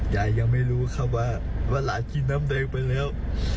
ยายยังไม่รู้ค่ะว่าว่าหลายทีน้ำเด็กไปแล้ว